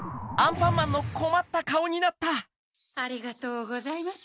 ありがとうございます。